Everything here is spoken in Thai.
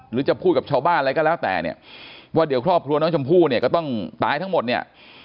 หรือจะพูดกับชาวบ้านอะไรก็แล้วแต่เนี่ยว่าเดี๋ยวครอบครัวน้องชมพู่เนี่ยก็ต้องตายทั้งหมดเนี่ย